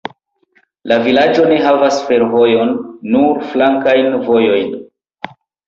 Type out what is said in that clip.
La vilaĝo ne havas fervojon, nur flankajn vojojn.